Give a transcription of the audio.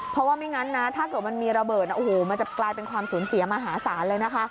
เพราะไม่งั้นถ้าเกิดมีระเบิดมันจะกลายเป็นความสูญเสียมหาศาล